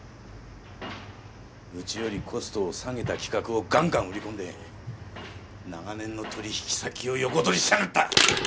うちよりコストを下げた企画をガンガン売り込んで長年の取引先を横取りしやがった！